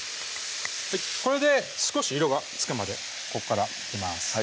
これで少し色がつくまでここから焼きます